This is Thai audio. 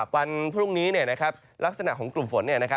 วันพรุ่งนี้ลักษณะของกลุ่มฝน